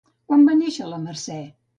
Quan va néixer Mercè?